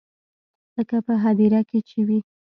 لکه په هديره کښې چې وي.